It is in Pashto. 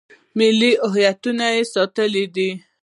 ملي هویتونه یې ساتلي وي.